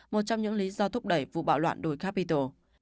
một trong những lý do thúc đẩy vụ bạo loạn đồi capitol